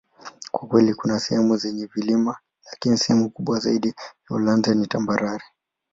Kwa kweli, kuna sehemu zenye vilima, lakini sehemu kubwa zaidi ya Uholanzi ni tambarare.